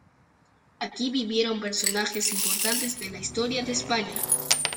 Aquí vivieron personajes importantes de la historia de España.